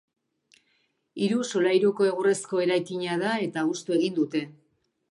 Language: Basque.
Hiru solairuko egurrezko eraikina da, eta hustu egin dute.